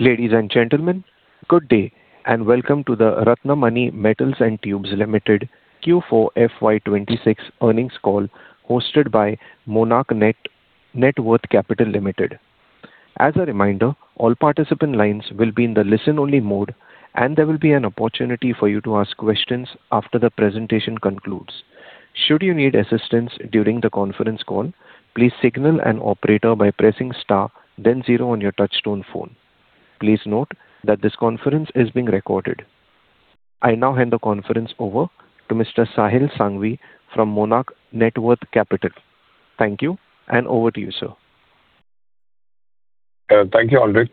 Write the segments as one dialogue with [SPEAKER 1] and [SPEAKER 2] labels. [SPEAKER 1] Ladies and gentlemen, good day, and Welcome to the Ratnamani Metals & Tubes Limited Q4 FY 2026 earnings call hosted by Monarch Networth Capital Limited. As a reminder, all participant lines will be in the listen only mode, and there will be an opportunity for you to ask questions after the presentation concludes. Should you need assistance during the conference call, please signal an operator by pressing star zero on your touchtone phone. Please note that this conference is being recorded. I now hand the conference over to Mr. Sahil Sanghvi from Monarch Networth Capital. Thank you, and over to you, sir.
[SPEAKER 2] Thank you, Andrei.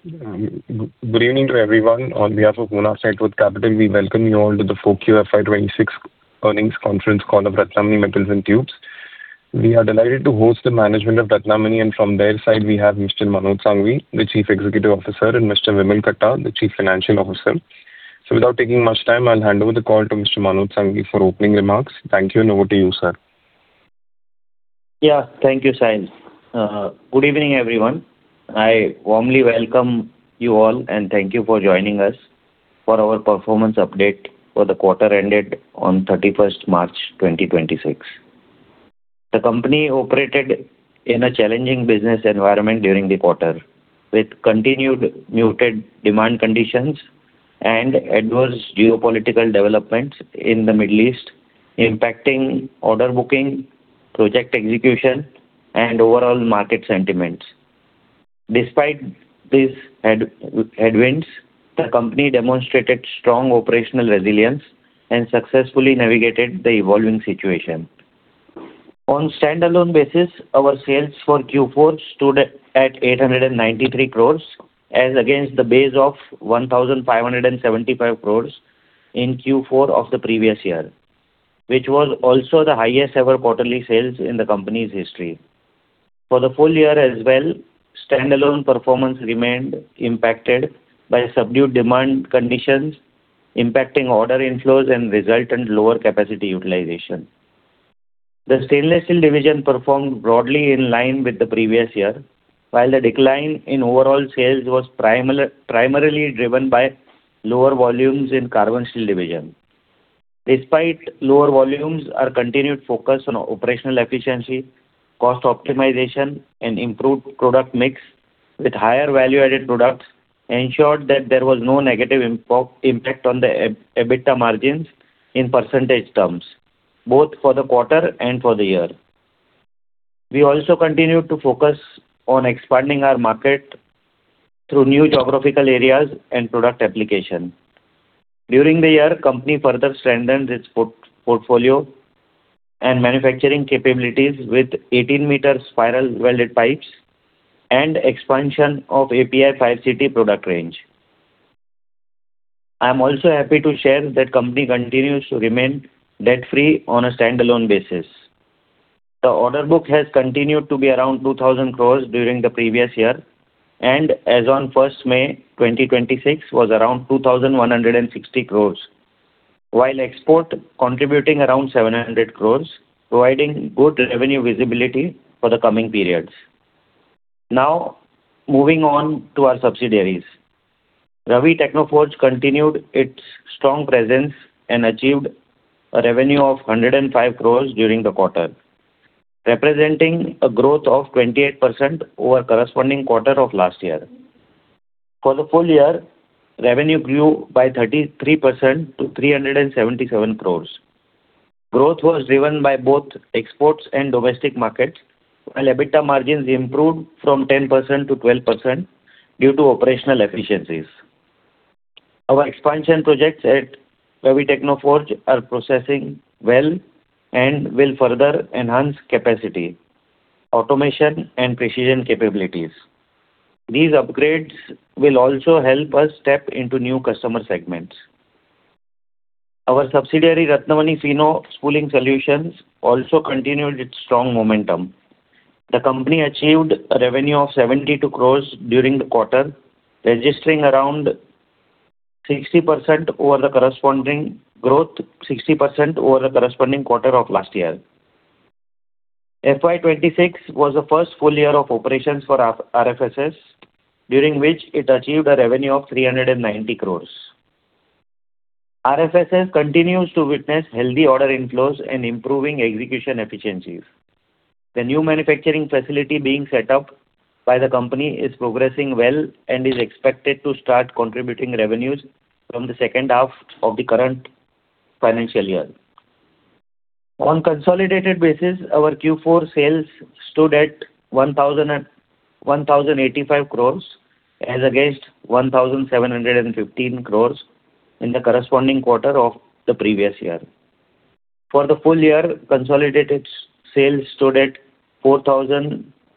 [SPEAKER 2] Good evening to everyone. On behalf of Monarch Networth Capital, we welcome you all to the Q4 FY 2026 earnings conference call of Ratnamani Metals & Tubes. We are delighted to host the management of Ratnamani, and from their side we have Mr. Manoj Sanghvi, the Chief Executive Officer, and Mr. Vimal Katta, the Chief Financial Officer. Without taking much time, I'll hand over the call to Mr. Manoj Sanghvi for opening remarks. Thank you, over to you, sir.
[SPEAKER 3] Yeah. Thank you, Sahil. Good evening, everyone. I warmly welcome you all, and thank you for joining us for our performance update for the quarter ended on March 1st, 2026. The company operated in a challenging business environment during the quarter, with continued muted demand conditions and adverse geopolitical developments in the Middle East impacting order booking, project execution, and overall market sentiments. Despite these headwinds, the company demonstrated strong operational resilience and successfully navigated the evolving situation. On standalone basis, our sales for Q4 stood at 893 crores as against the base of 1,575 crores in Q4 of the previous year, which was also the highest ever quarterly sales in the company's history. For the full year as well, standalone performance remained impacted by subdued demand conditions impacting order inflows and resultant lower capacity utilization. The stainless steel division performed broadly in line with the previous year, while the decline in overall sales was primarily driven by lower volumes in carbon steel division. Despite lower volumes, our continued focus on operational efficiency, cost optimization, and improved product mix with higher value-added products ensured that there was no negative impact on the EBITDA margins in percentage terms, both for the quarter and for the year. We also continued to focus on expanding our market through new geographical areas and product application. During the year, company further strengthened its portfolio and manufacturing capabilities with 18 meter spiral welded pipes and expansion of API 5CT product range. I am also happy to share that company continues to remain debt-free on a standalone basis. The order book has continued to be around 2,000 crores during the previous year, and as on May 1st, 2026 was around 2,160 crores. While export contributing around 700 crores, providing good revenue visibility for the coming periods. Now, moving on to our subsidiaries. Ravi Technoforge Private Limited continued its strong presence and achieved a revenue of 105 crores during the quarter, representing a growth of 28% over corresponding quarter of last year. For the full year, revenue grew by 33% to 377 crores. Growth was driven by both exports and domestic markets, while EBITDA margins improved from 10% to 12% due to operational efficiencies. Our expansion projects at Ravi Technoforge Private Limited are processing well and will further enhance capacity, automation, and precision capabilities. These upgrades will also help us step into new customer segments. Our subsidiary, Ratnamani Finow Spooling Solutions Private Limited, also continued its strong momentum. The company achieved a revenue of 72 crores during the quarter, registering around 60% over the corresponding growth, 60% over the corresponding quarter of last year. FY 2026 was the first full year of operations for RF-RFSS, during which it achieved a revenue of 390 crores. RFSS continues to witness healthy order inflows and improving execution efficiencies. The new manufacturing facility being set up by the company is progressing well and is expected to start contributing revenues from the second half of the current financial year. On consolidated basis, our Q4 sales stood at 1,085 crores as against 1,715 crores in the corresponding quarter of the previous year. For the full year, consolidated sales stood at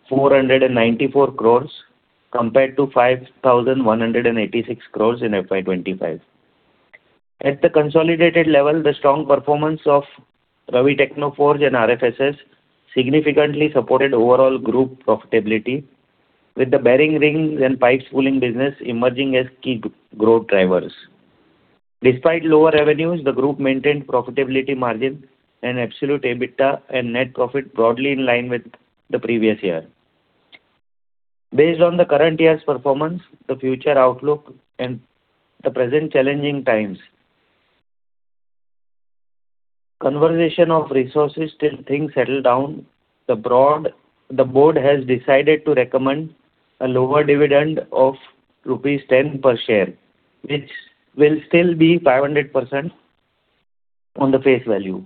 [SPEAKER 3] 4,494 crores compared to 5,186 crores in FY 2025. At the consolidated level, the strong performance of Ravi Technoforge and RFSS significantly supported overall group profitability, with the bearing rings and pipes spooling business emerging as key growth drivers. Despite lower revenues, the group maintained profitability margin and absolute EBITDA and net profit broadly in line with the previous year. Based on the current year's performance, the future outlook and the present challenging times, conversation of resources till things settle down, the board has decided to recommend a lower dividend of rupees 10 per share, which will still be 500% on the face value.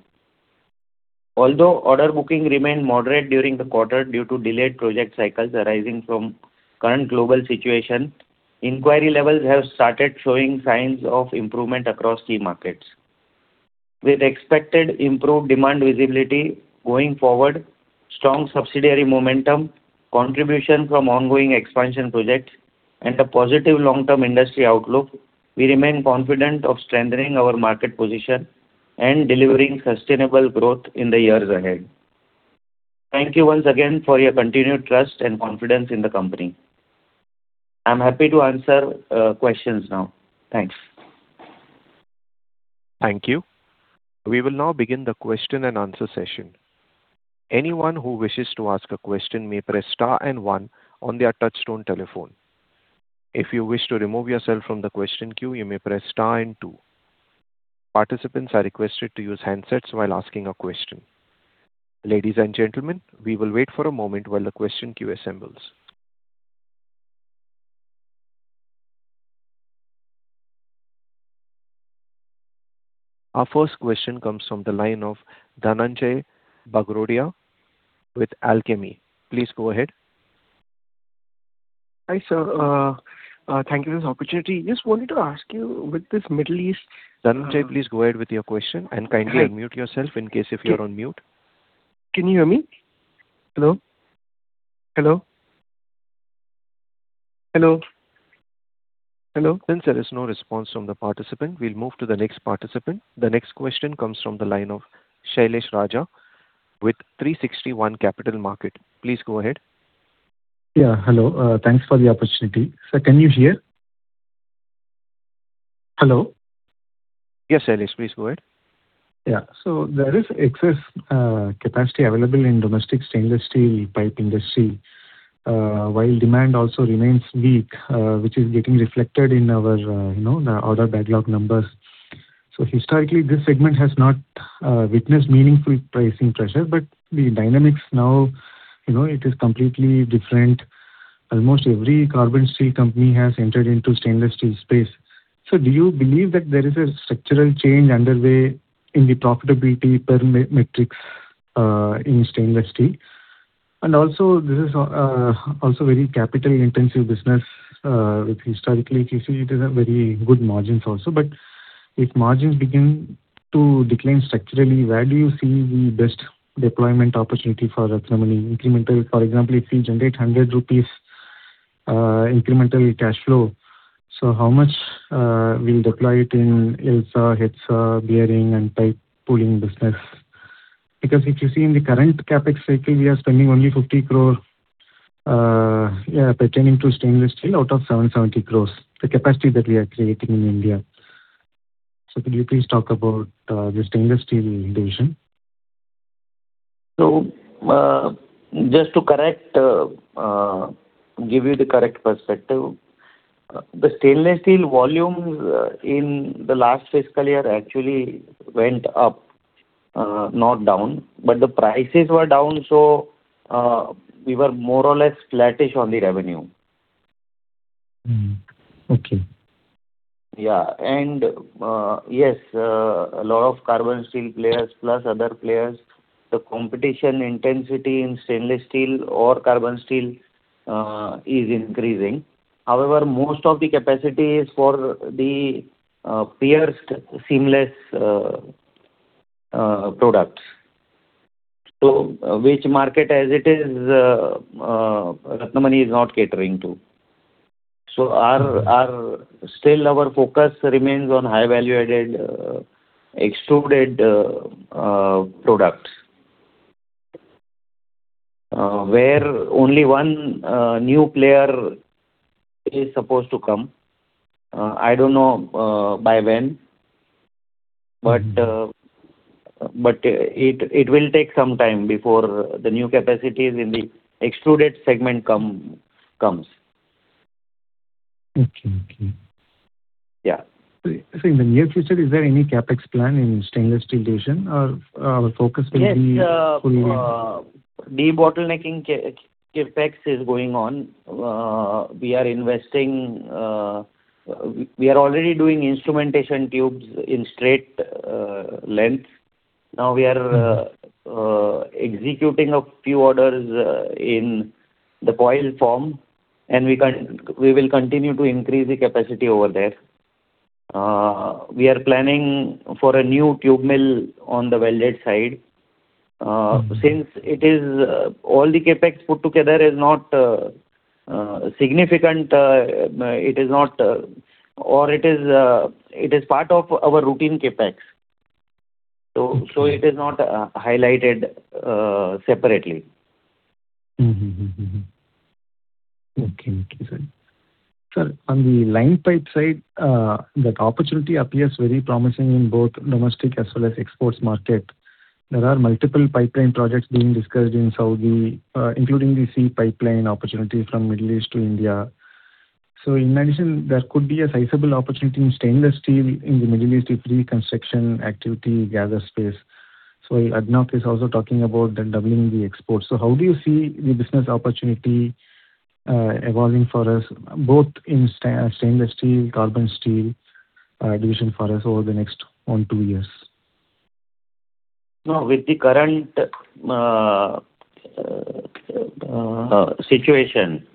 [SPEAKER 3] Although order booking remained moderate during the quarter due to delayed project cycles arising from current global situation, inquiry levels have started showing signs of improvement across key markets. With expected improved demand visibility going forward, strong subsidiary momentum, contribution from ongoing expansion projects and a positive long-term industry outlook, we remain confident of strengthening our market position and delivering sustainable growth in the years ahead. Thank you once again for your continued trust and confidence in the company. I'm happy to answer questions now. Thanks.
[SPEAKER 1] Thank you. We will now begin the question and answer session. Anyone who wishes to ask a question may press star and one on their touchtone telephone. If you wish to remove yourself from the question queue, you may press star and two. Participants are requested to use handsets while asking a question. Ladies and gentlemen, we will wait for a moment while the question queue assembles. Our first question comes from the line of Dhananjai Bagrodia with Alchemy Capital. Please go ahead.
[SPEAKER 4] Hi, sir. Thank you for this opportunity. Just wanted to ask you with this Middle East-
[SPEAKER 1] Dhananjai, please go ahead with your question and kindly unmute yourself in case if you're on mute.
[SPEAKER 4] Hi. Can you hear me? Hello?
[SPEAKER 1] Since there is no response from the participant, we'll move to the next participant. The next question comes from the line of Sailesh Raj Bhan with Nippon India Mutual Fund. Please go ahead.
[SPEAKER 5] Yeah, hello. Thanks for the opportunity. Sir, can you hear? Hello?
[SPEAKER 1] Yes, Sailesh, please go ahead.
[SPEAKER 5] There is excess capacity available in domestic stainless steel pipe industry, while demand also remains weak, which is getting reflected in our, you know, the order backlog numbers. Historically, this segment has not witnessed meaningful pricing pressure, but the dynamics now, you know, it is completely different. Almost every carbon steel company has entered into stainless steel space. Do you believe that there is a structural change underway in the profitability per metrics in stainless steel? This is also very capital intensive business. If historically you see it is a very good margins also. If margins begin to decline structurally, where do you see the best deployment opportunity for Ratnamani incremental? For example, if we generate 100 rupees incremental cash flow, how much we'll deploy it in LSAW, HSAW, bearing and pipe spooling business? Because if you see in the current CapEx cycle, we are spending only 50 crore, yeah, pertaining to stainless steel out of 770 crore, the capacity that we are creating in India. Could you please talk about the stainless steel division?
[SPEAKER 3] Just to correct, give you the correct perspective. The stainless steel volume, in the last fiscal year actually went up, not down, but the prices were down. We were more or less flattish on the revenue.
[SPEAKER 5] Mm-hmm. Okay.
[SPEAKER 3] Yeah. Yes, a lot of carbon steel players plus other players, the competition intensity in stainless steel or carbon steel is increasing. However, most of the capacity is for the pierced seamless products. Which market as it is, Ratnamani is not catering to. Still our focus remains on high value-added extruded products, where only one new player is supposed to come. I don't know by when, but. It will take some time before the new capacities in the extruded segment comes.
[SPEAKER 5] Okay. Okay.
[SPEAKER 3] Yeah.
[SPEAKER 5] In the near future, is there any CapEx plan in stainless steel division or our focus?
[SPEAKER 3] Yes.
[SPEAKER 5] -fully-
[SPEAKER 3] De-bottlenecking CapEx is going on. We are investing. We are already doing instrumentation tubes in straight lengths. Executing a few orders in the coil form, and we will continue to increase the capacity over there. We are planning for a new tube mill on the welded side. It is all the CapEx put together is not significant, it is not, or it is, it is part of our routine CapEx. It is not highlighted separately.
[SPEAKER 5] Sir, on the line pipe side, that opportunity appears very promising in both domestic as well as exports market. There are multiple pipeline projects being discussed in Saudi, including the sea pipeline opportunity from Middle East to India. In addition, there could be a sizable opportunity in stainless steel in the Middle East pre-construction activity gather space. ADNOC is also talking about the doubling the exports. How do you see the business opportunity evolving for us both in stainless steel, carbon steel division for us over the next one, two years?
[SPEAKER 3] With the current situation,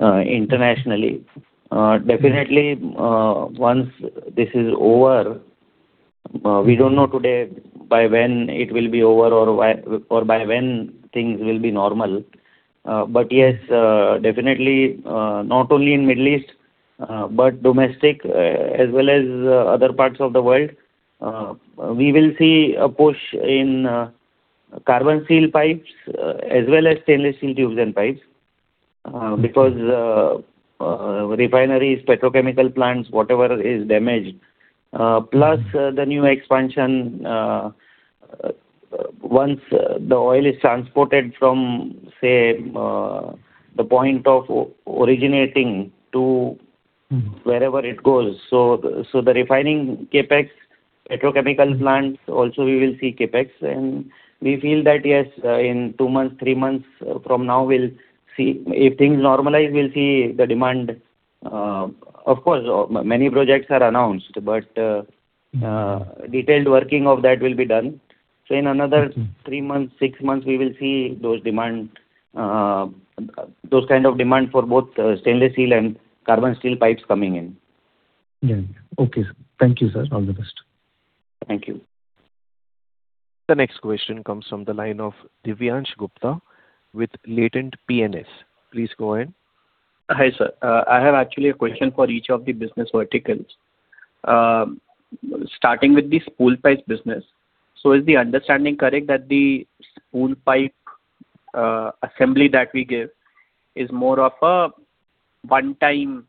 [SPEAKER 3] internationally, definitely, once this is over, we don't know today by when it will be over or by when things will be normal. Yes, definitely, not only in Middle East, but domestic, as well as other parts of the world, we will see a push in carbon steel pipes, as well as stainless steel tubes and pipes. Refineries, petrochemical plants, whatever is damaged, plus the new expansion, once the oil is transported from, say, the point of originating to. Wherever it goes. The refining CapEx, petrochemical plants also we will see CapEx. We feel that yes, in two months, three months from now, we'll see if things normalize, we'll see the demand. Of course, many projects are announced. But detailed working of that will be done. In another three months, six months, we will see those kind of demand for both stainless steel and carbon steel pipes coming in.
[SPEAKER 5] Yeah. Okay, sir. Thank you, sir. All the best.
[SPEAKER 3] Thank you.
[SPEAKER 1] The next question comes from the line of Divyansh Gupta with Latent Advisors PMS. Please go ahead.
[SPEAKER 6] Hi, sir. I have actually a question for each of the business verticals. Starting with the spool pipe business. Is the understanding correct that the spool pipe assembly that we give is more of a one time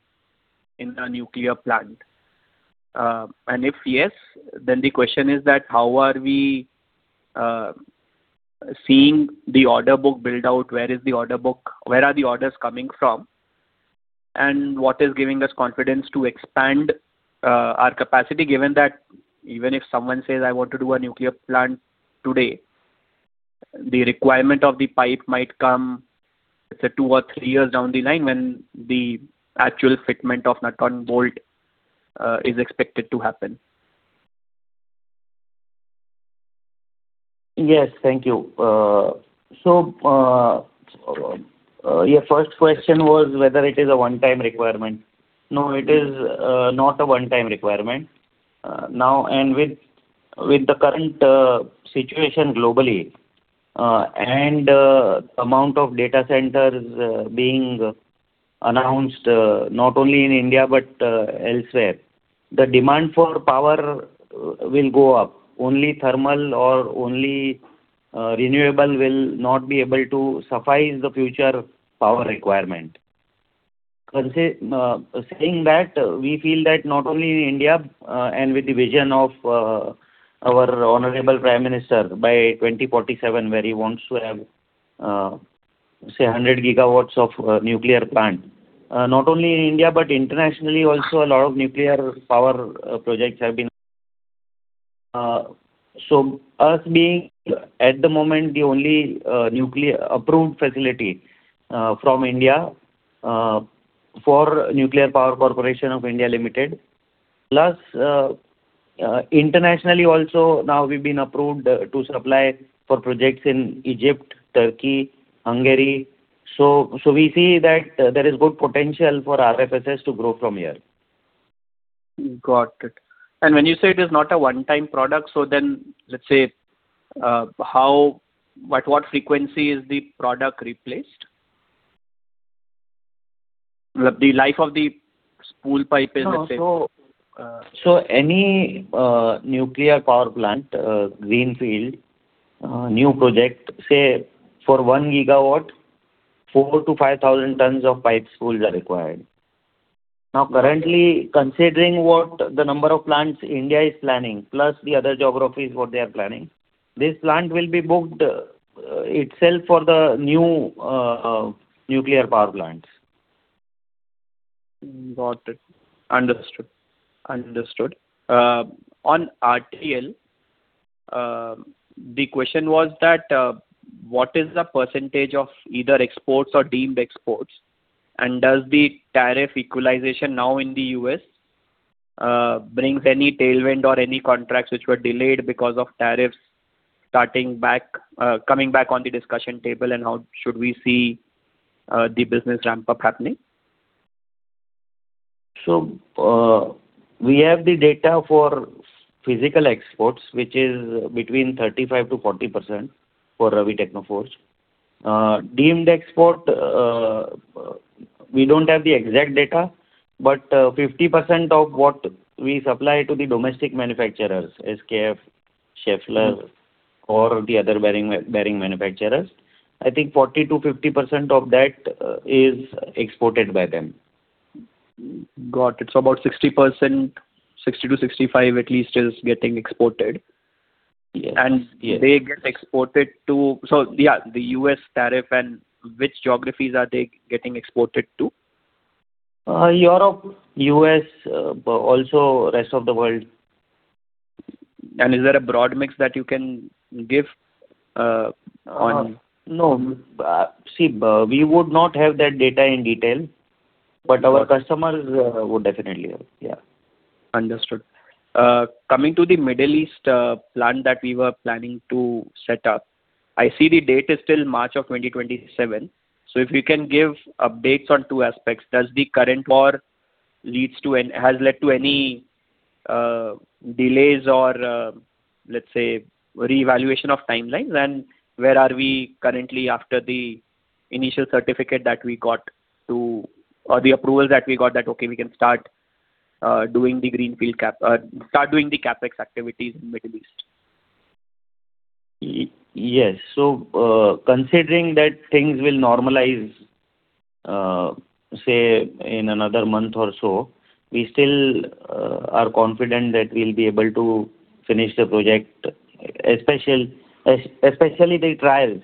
[SPEAKER 6] in a nuclear plant? If yes, then the question is that, how are we seeing the order book build out? Where is the order book? Where are the orders coming from? What is giving us confidence to expand our capacity, given that even if someone says I want to do a nuclear plant today, the requirement of the pipe might come, let's say, two or three years down the line when the actual fitment of nut and bolt is expected to happen.
[SPEAKER 3] Yes. Thank you. Your first question was whether it is a one-time requirement. No, it is not a one-time requirement. Now and with the current situation globally, and amount of data centers being announced, not only in India but elsewhere, the demand for power will go up. Only thermal or only renewable will not be able to suffice the future power requirement. Saying that, we feel that not only in India, and with the vision of our honorable prime minister by 2047, where he wants to have, say, 100GW of nuclear plant. Not only in India, but internationally also a lot of nuclear power. Being at the moment, the only nuclear approved facility from India for Nuclear Power Corporation of India Limited. Plus internationally also now we've been approved to supply for projects in Egypt, Turkey, Hungary. We see that there is good potential for RFSS to grow from here.
[SPEAKER 6] Got it. When you say it is not a one-time product, let's say, at what frequency is the product replaced? The life of the spool pipe is, let's say?
[SPEAKER 3] Any nuclear power plant, greenfield, new project, say for 1GW, 4,000-5,000 tons of pipe spools are required. Now, currently considering what the number of plants India is planning, plus the other geographies, what they are planning, this plant will be booked itself for the new nuclear power plants.
[SPEAKER 6] Got it. Understood. Understood. On RTL, the question was that, what is the percentage of either exports or deemed exports? Does the tariff equalization now in the U.S., brings any tailwind or any contracts which were delayed because of tariffs starting back, coming back on the discussion table? How should we see, the business ramp up happening?
[SPEAKER 3] We have the data for physical exports, which is between 35%-40% for Ravi Technoforge. Deemed export, we don't have the exact data, but 50% of what we supply to the domestic manufacturers, SKF, Schaeffler, or the other bearing manufacturers, I think 40%-50% of that, is exported by them.
[SPEAKER 6] Got it. About 60%, 60%-65% at least is getting exported.
[SPEAKER 3] Yes. Yes.
[SPEAKER 6] They get exported to So, yeah, the U.S. tariff and which geographies are they getting exported to?
[SPEAKER 3] Europe, U.S., also rest of the world.
[SPEAKER 6] Is there a broad mix that you can give?
[SPEAKER 3] No. See, we would not have that data in detail, but our customers would definitely have.
[SPEAKER 6] Understood. Coming to the Middle East plant that we were planning to set up, I see the date is still March of 2027. If you can give updates on two aspects. Does the current war leads to any has led to any delays or, let's say, reevaluation of timelines? Where are we currently after the initial certificate that we got to or the approval that we got that, okay, we can start doing the greenfield start doing the CapEx activities in Middle East?
[SPEAKER 3] Yes. Considering that things will normalize, say in another month or so, we still are confident that we'll be able to finish the project, especially the trials,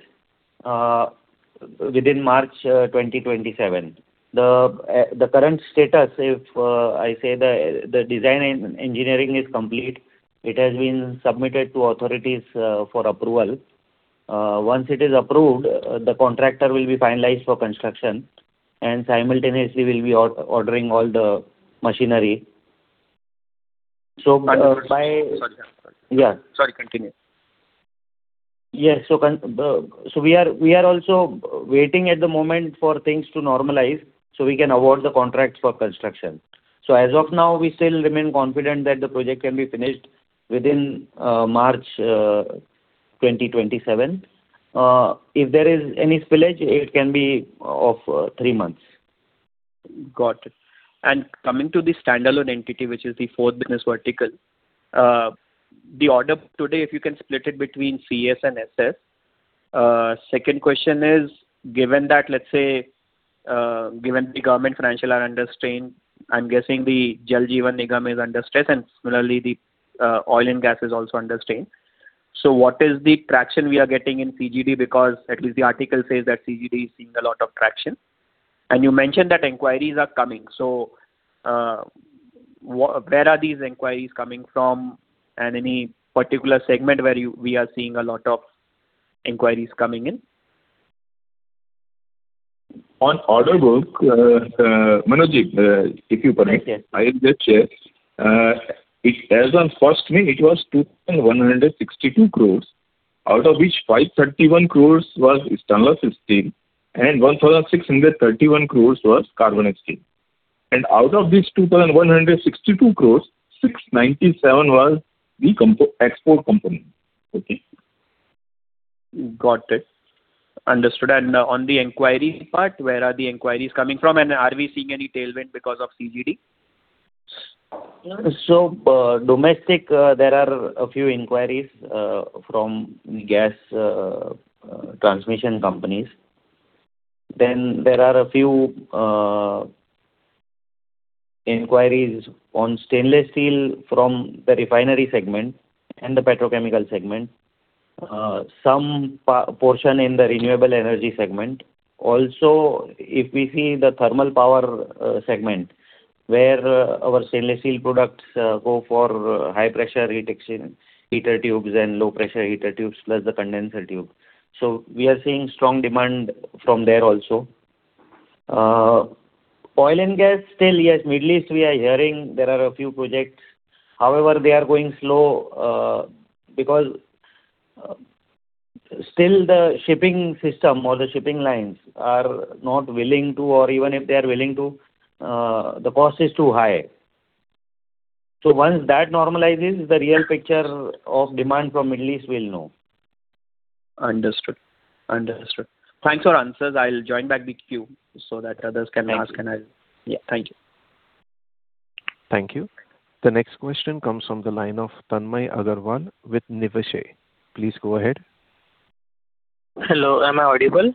[SPEAKER 3] within March 2027. The current status if I say the design engineering is complete. It has been submitted to authorities for approval. Once it is approved, the contractor will be finalized for construction, and simultaneously we'll be ordering all the machinery.
[SPEAKER 6] Understood. Sorry.
[SPEAKER 3] Yeah.
[SPEAKER 6] Sorry, continue.
[SPEAKER 3] Yes. We are also waiting at the moment for things to normalize so we can award the contracts for construction. As of now, we still remain confident that the project can be finished within March 2027. If there is any spillage, it can be of three months.
[SPEAKER 6] Got it. Coming to the standalone entity, which is the fourth business vertical, the order today, if you can split it between CS and SS. Second question is, given that, let's say, given the government financials are under strain, I'm guessing the Jal Jeevan Mission is under stress, and similarly the oil and gas is also under strain. What is the traction we are getting in CGD? Because at least the article says that CGD is seeing a lot of traction. You mentioned that inquiries are coming. Where are these inquiries coming from? Any particular segment where we are seeing a lot of inquiries coming in?
[SPEAKER 7] On order book, Manoj Kumar.
[SPEAKER 3] Yes.
[SPEAKER 7] I'll just share. It as on first week it was 2,162 crores, out of which 531 crores was stainless steel and 1,631 crores was carbon steel. Out of these 2,162 crores, 697 was the export component. Okay.
[SPEAKER 6] Got it. Understood. On the inquiry part, where are the inquiries coming from, and are we seeing any tailwind because of CGD?
[SPEAKER 3] Domestic, there are a few inquiries from gas transmission companies. There are a few inquiries on stainless steel from the refinery segment and the petrochemical segment. Some portion in the renewable energy segment. Also, if we see the thermal power segment, where our stainless steel products go for high pressure heater tubes and low pressure heater tubes, plus the condenser tube. We are seeing strong demand from there also. Oil and gas still, yes, Middle East we are hearing there are a few projects. However, they are going slow because still the shipping system or the shipping lines are not willing to, or even if they are willing to, the cost is too high. Once that normalizes, the real picture of demand from Middle East we'll know.
[SPEAKER 6] Understood. Understood. Thanks for answers. I'll join back the queue so that others can ask.
[SPEAKER 3] Thank you.
[SPEAKER 6] Yeah. Thank you.
[SPEAKER 1] Thank you. The next question comes from the line of [Tanmay Agarwal] with [Niveshaay]. Please go ahead.
[SPEAKER 8] Hello, am I audible?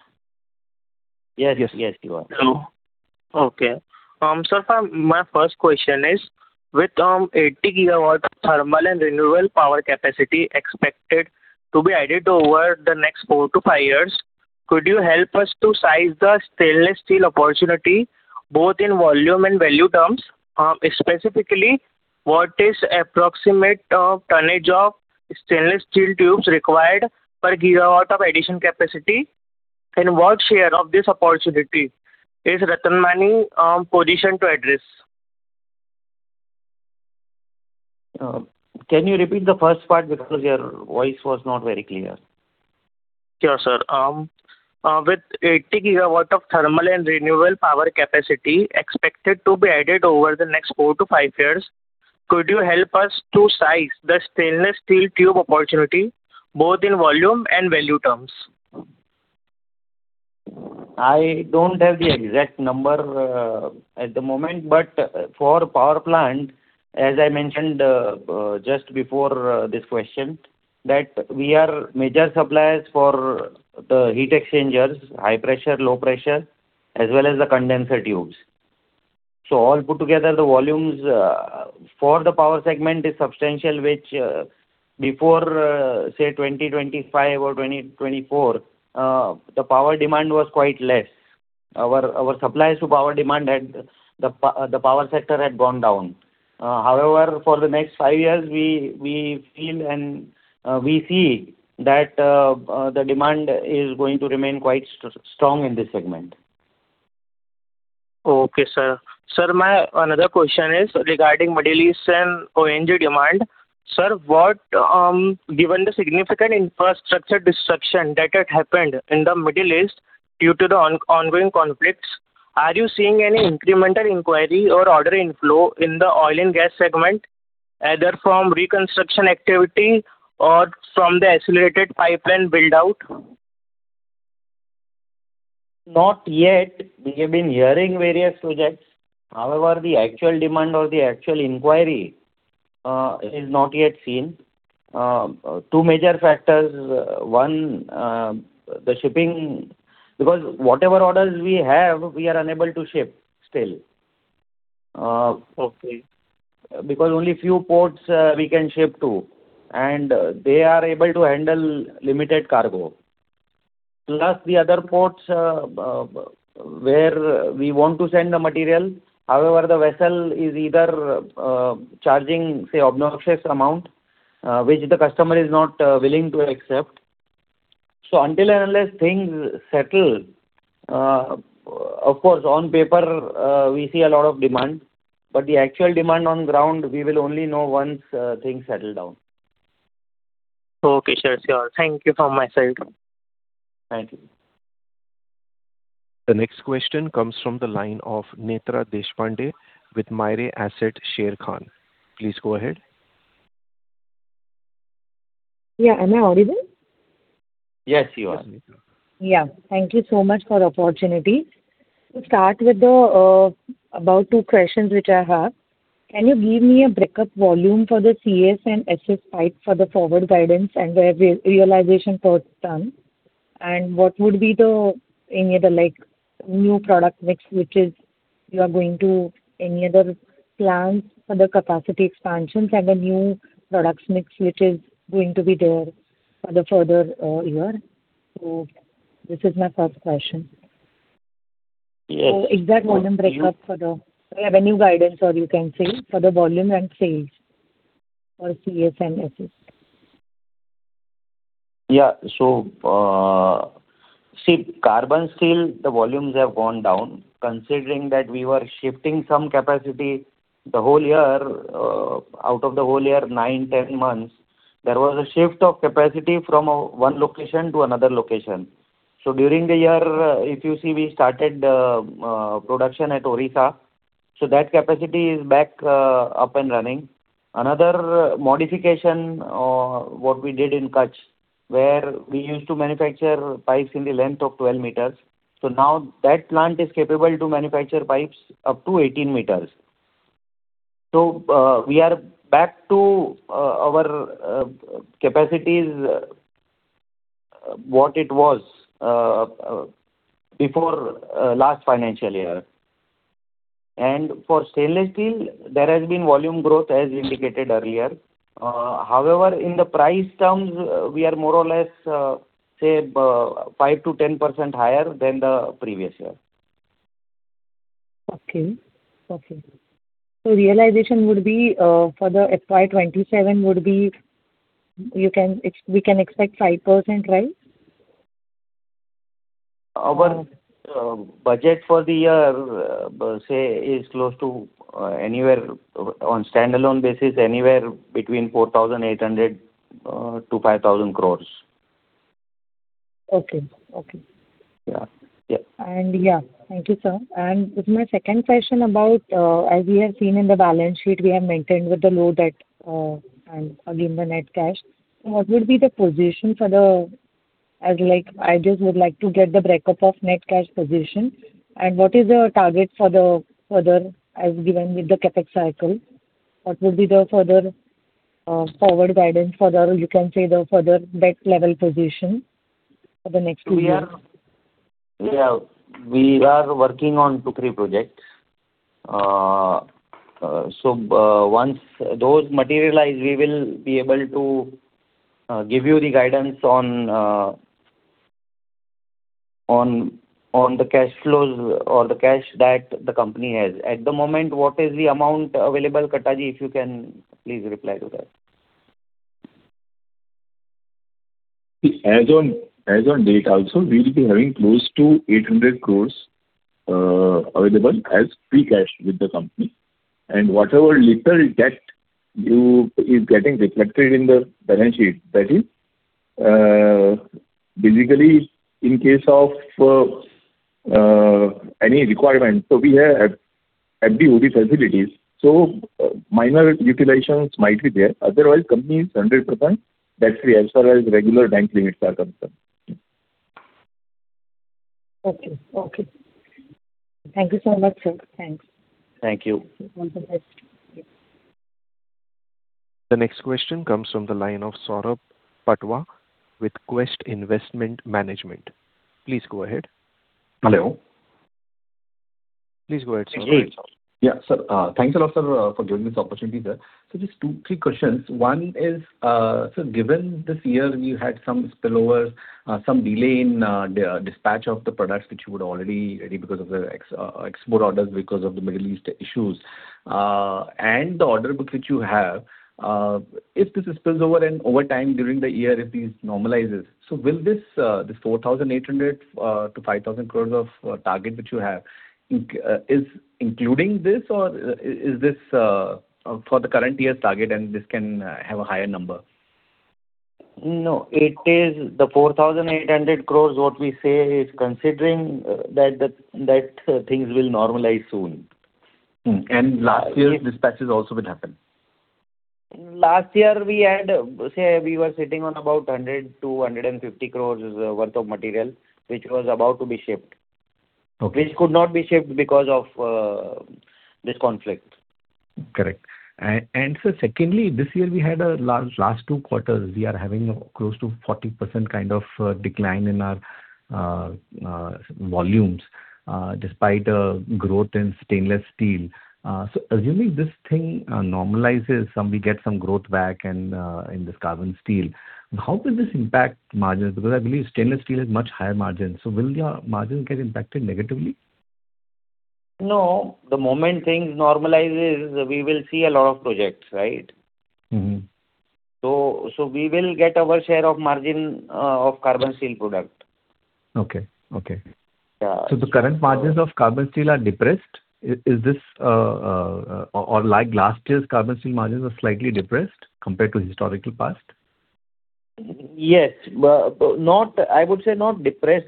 [SPEAKER 3] Yes.
[SPEAKER 7] Yes, you are.
[SPEAKER 8] Hello. Okay. My first question is, with 80 GW thermal and renewable power capacity expected to be added over the next four to five years, could you help us to size the stainless steel opportunity both in volume and value terms? Specifically, what is approximate tonnage of stainless steel tubes required per gigawatts of addition capacity? What share of this opportunity is Ratnamani positioned to address?
[SPEAKER 3] Can you repeat the first part because your voice was not very clear.
[SPEAKER 8] Sure, sir. With 80GW of thermal and renewable power capacity expected to be added over the next four to five years, could you help us to size the stainless steel tube opportunity, both in volume and value terms?
[SPEAKER 3] I don't have the exact number, at the moment, but for power plant, as I mentioned, just before, this question, that we are major suppliers for the heat exchangers, high pressure, low pressure, as well as the condenser tubes. All put together, the volumes for the power segment is substantial, which before, say, 2025 or 2024, the power demand was quite less. Our supplies to power demand had the power sector had gone down. For the next five years, we feel and we see that, the demand is going to remain quite strong in this segment.
[SPEAKER 8] Okay, sir. Sir, my another question is regarding Middle East and O&G demand. Sir, what, given the significant infrastructure disruption that had happened in the Middle East due to the ongoing conflicts, are you seeing any incremental inquiry or order inflow in the oil and gas segment, either from reconstruction activity or from the accelerated pipeline build-out?
[SPEAKER 3] Not yet. We have been hearing various projects. However, the actual demand or the actual inquiry, is not yet seen. Two major factors. One, because whatever orders we have, we are unable to ship still.
[SPEAKER 8] Okay.
[SPEAKER 3] Only few ports, we can ship to, and they are able to handle limited cargo. The other ports, where we want to send the material. However, the vessel is either charging, say, obnoxious amount, which the customer is not willing to accept. Until and unless things settle, of course, on paper, we see a lot of demand, but the actual demand on ground, we will only know once things settle down.
[SPEAKER 8] Okay, sure, sir. Thank you from my side.
[SPEAKER 3] Thank you.
[SPEAKER 1] The next question comes from the line of Netra Deshpande with Mirae Asset Sharekhan. Please go ahead.
[SPEAKER 9] Yeah. Am I audible?
[SPEAKER 3] Yes, you are.
[SPEAKER 9] Yeah. Thank you so much for the opportunity. To start with the about two questions which I have. Can you give me a breakup volume for the CS and SS pipe for the forward guidance and the realization per ton? What would be the, any other like new product mix, which is you are going to any other plans for the capacity expansions and the new products mix, which is going to be there for the further year? This is my first question.
[SPEAKER 3] Yes.
[SPEAKER 9] Exact volume breakup for the revenue guidance, or you can say, for the volume and sales for CS and SS.
[SPEAKER 3] Carbon steel, the volumes have gone down. Considering that we were shifting some capacity the whole year, out of the whole year, nine, 10 months, there was a shift of capacity from one location to another location. During the year, if you see, we started production at Orissa, so that capacity is back up and running. Another modification, what we did in Kutch, where we used to manufacture pipes in the length of 12 meters. Now that plant is capable to manufacture pipes up to 18 meters. We are back to our capacities, what it was before last financial year. For stainless steel, there has been volume growth as indicated earlier. However, in the price terms, we are more or less, say, 5%-10% higher than the previous year.
[SPEAKER 9] Okay. Okay. Realization would be, for the FY 2027 would be, we can expect 5%, right?
[SPEAKER 3] Our budget for the year, say is close to anywhere on standalone basis, anywhere between 4,800 crores-5,000 crores.
[SPEAKER 9] Okay. Okay.
[SPEAKER 3] Yeah. Yeah.
[SPEAKER 9] Yeah. Thank you, sir. With my second question about, as we have seen in the balance sheet, we have maintained with the low debt, and again, the net cash. What would be the position for the As like, I just would like to get the breakup of net cash position. What is your target for the further, as given with the CapEx cycle? What would be the further, forward guidance for the, you can say, the further debt level position for the next two years?
[SPEAKER 3] We are, yeah, we are working on two, three projects. Once those materialize, we will be able to give you the guidance on the cash flows or the cash that the company has. At the moment, what is the amount available, Vimal Katta, if you can please reply to that?
[SPEAKER 7] As on date also, we will be having close to 800 crores available as free cash with the company. And whatever little debt is getting reflected in the balance sheet, that is basically, in case of any requirement, we have at the OD facilities. Minor utilizations might be there. Otherwise, company is 100% debt free as far as regular bank limits are concerned.
[SPEAKER 9] Okay. Okay. Thank you so much, sir. Thanks.
[SPEAKER 3] Thank you.
[SPEAKER 9] All the best. Yeah.
[SPEAKER 1] The next question comes from the line of Saurabh Patwa with Quest Investment Management. Please go ahead.
[SPEAKER 10] Hello.
[SPEAKER 7] Please go ahead, Saurabh.
[SPEAKER 10] Yes. Sir, thanks a lot, sir, for giving this opportunity, sir. Just two, three questions. One is, given this year you had some spillovers, some delay in the dispatch of the products which you would already ready because of the export orders because of the Middle East issues, and the order book which you have, if this is spills over and over time during the year, if this normalizes, so will this this 4,800 crore-5,000 crore of target which you have including this or is this for the current year's target and this can have a higher number?
[SPEAKER 3] No, it is the 4,800 crores what we say is considering that things will normalize soon.
[SPEAKER 10] Last year dispatches also will happen.
[SPEAKER 3] Last year we had, say, we were sitting on about 100 crore to 150 crore worth of material which was about to be shipped.
[SPEAKER 10] Okay.
[SPEAKER 3] Which could not be shipped because of this conflict.
[SPEAKER 10] Correct. Sir, secondly, this year we had last two quarters we are having close to 40% kind of decline in our volumes, despite a growth in stainless steel. Assuming this thing normalizes, some we get some growth back and in this carbon steel, how could this impact margins? Because I believe stainless steel has much higher margins. Will your margins get impacted negatively?
[SPEAKER 3] No. The moment things normalizes, we will see a lot of projects, right? We will get our share of margin, of carbon steel product.
[SPEAKER 10] Okay. Okay.
[SPEAKER 3] Yeah.
[SPEAKER 10] The current margins of carbon steel are depressed. Is this, or like last year's carbon steel margins are slightly depressed compared to historical past?
[SPEAKER 3] Yes. Not, I would say not depressed,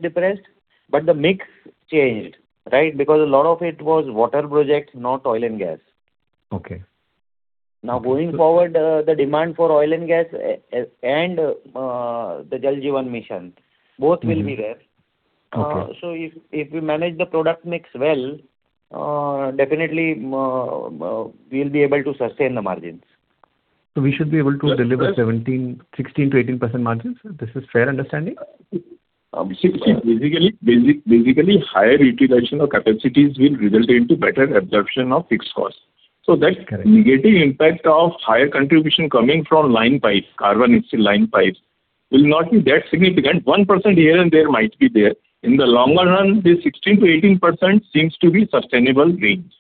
[SPEAKER 3] but the mix changed, right? Because a lot of it was water projects, not oil and gas.
[SPEAKER 10] Okay.
[SPEAKER 3] Going forward, the demand for oil and gas and the Jal Jeevan Mission, both will be there.
[SPEAKER 10] Okay.
[SPEAKER 3] If we manage the product mix well, definitely, we'll be able to sustain the margins.
[SPEAKER 10] We should be able to deliver 17%, 16%-18% margins. This is fair understanding?
[SPEAKER 7] See, basically, higher utilization of capacities will result into better absorption of fixed costs. That negative impact of higher contribution coming from line pipes, carbon steel line pipes, will not be that significant. 1% here and there might be there. In the longer run, this 16%-18% seems to be sustainable range.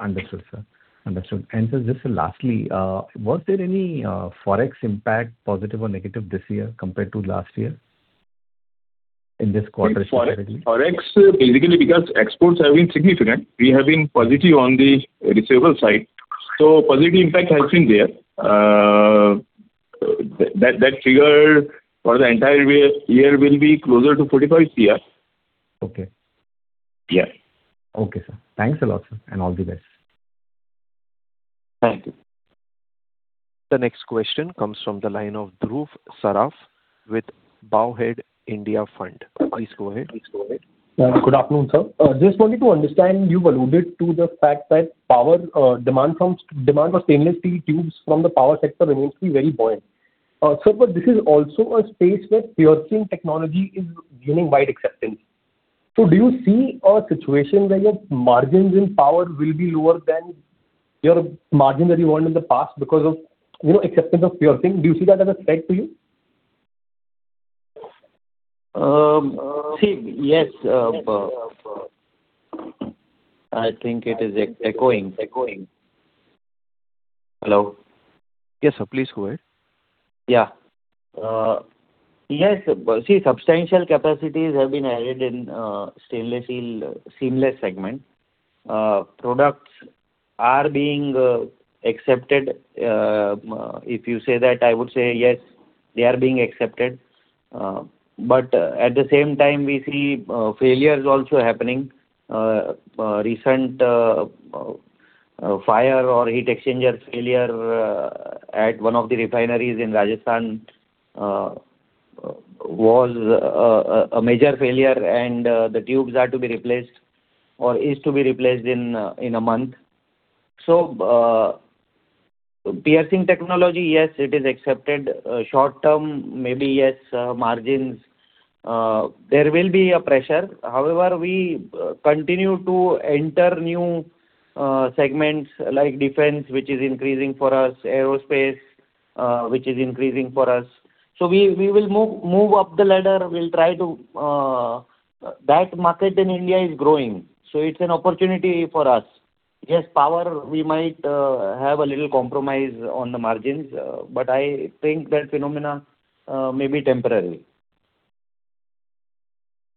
[SPEAKER 10] Understood, sir. Understood. Sir, just lastly, was there any Forex impact, positive or negative this year compared to last year in this quarter specifically?
[SPEAKER 7] Forex, basically because exports have been significant, we have been positive on the receivable side. Positive impact has been there. That figure for the entire year will be closer to 45 crore.
[SPEAKER 10] Okay.
[SPEAKER 7] Yeah.
[SPEAKER 10] Okay, sir. Thanks a lot, sir, and all the best.
[SPEAKER 1] Thank you. The next question comes from the line of Dhruv Saraf with Bowhead India Fund. Please go ahead.
[SPEAKER 11] Good afternoon, sir. Just wanted to understand, you've alluded to the fact that power, demand for stainless steel tubes from the power sector remains to be very buoyant. Sir, this is also a space where piercing technology is gaining wide acceptance. Do you see a situation where your margins in power will be lower than your margin that you earned in the past because of, you know, acceptance of piercing? Do you see that as a threat to you?
[SPEAKER 3] See, yes, I think it is echoing. Hello?
[SPEAKER 7] Yes, sir. Please go ahead.
[SPEAKER 3] Yes. See, substantial capacities have been added in stainless steel seamless segment. Products are being accepted. If you say that, I would say yes, they are being accepted. At the same time we see failures also happening. Recent fire or heat exchanger failure at one of the refineries in Rajasthan was a major failure and the tubes are to be replaced or is to be replaced in a month. Piercing technology, yes, it is accepted. Short term, maybe yes, margins, there will be a pressure. However, we continue to enter new segments like defense, which is increasing for us, aerospace, which is increasing for us. We will move up the ladder. That market in India is growing, so it's an opportunity for us. Yes, power, we might have a little compromise on the margins, but I think that phenomena may be temporary.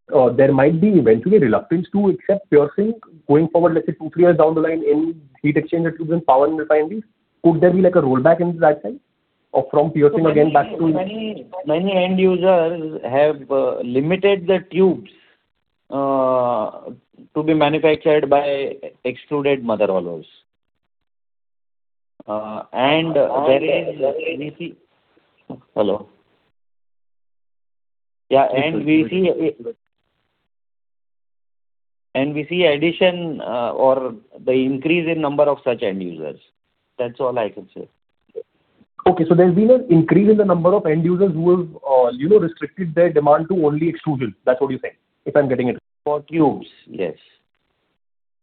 [SPEAKER 11] There might be eventually reluctance to accept piercing going forward, let's say two, three years down the line in heat exchanger tubes and power refineries. Could there be like a rollback in that side or from piercing again back to?
[SPEAKER 3] Many end users have limited the tubes to be manufactured by extruded mother rolls. Hello?
[SPEAKER 11] Yes, sir.
[SPEAKER 3] We see addition, or the increase in number of such end users. That's all I can say.
[SPEAKER 11] Okay. There's been an increase in the number of end users who have, you know, restricted their demand to only extrusion. That's what you're saying, if I'm getting it right.
[SPEAKER 3] For tubes, yes.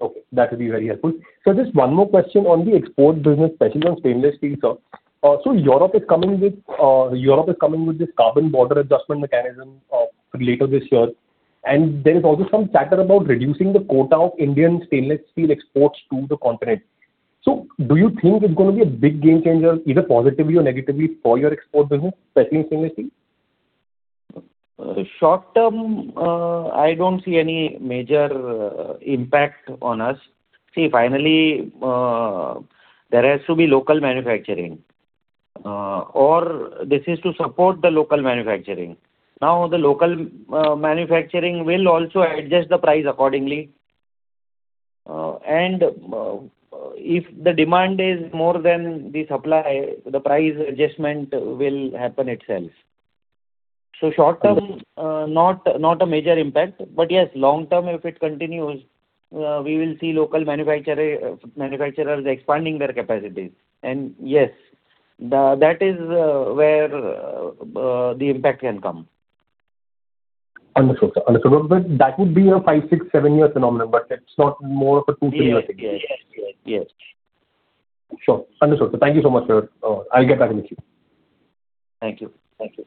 [SPEAKER 11] Okay, that will be very helpful. Sir, just one more question on the export business, especially on stainless steel, sir. Europe is coming with this Carbon Border Adjustment Mechanism later this year, and there is also some chatter about reducing the quota of Indian stainless steel exports to the continent. Do you think it's gonna be a big game changer either positively or negatively for your export business, especially in stainless steel?
[SPEAKER 3] Short term, I don't see any major impact on us. Finally, there has to be local manufacturing, or this is to support the local manufacturing. Now, the local manufacturing will also adjust the price accordingly. If the demand is more than the supply, the price adjustment will happen itself. Short term, not a major impact. Yes, long term, if it continues, we will see local manufacturers expanding their capacities. Yes, that is, where, the impact can come.
[SPEAKER 11] Understood, sir. Understood. That would be a five, six, seven year phenomenon, but it's not more of a two, three year thing.
[SPEAKER 3] Yes, yes, yes.
[SPEAKER 11] Sure. Understood. Thank you so much, sir. I'll get back with you.
[SPEAKER 3] Thank you. Thank you.